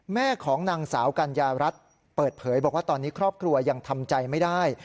แม่ของนางสาวกัญญารัฐเปิดเผยบอกว่าตอนนี้ครอบครัวยังทำใจไม่ได้